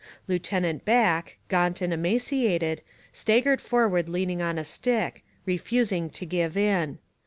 Lieutenant Back, gaunt and emaciated, staggered forward leaning on a stick, refusing to give in.